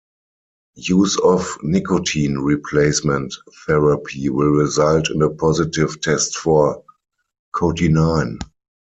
Use of nicotine replacement therapy will result in a positive test for cotinine.